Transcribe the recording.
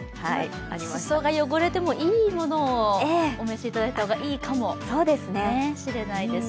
裾が汚れてもいいものをお召しいただいた方がいいかもしれないです。